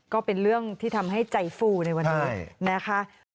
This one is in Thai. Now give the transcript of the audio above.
ก็เป็นเรื่องที่ทำให้ใจฟูในวันนี้นะคะ